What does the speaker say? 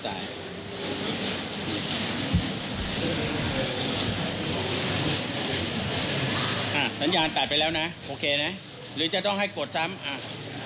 อ่ะสัญญาณตัดไปแล้วนะโอเคนะหรือจะต้องให้กดซ้ำอ่ะ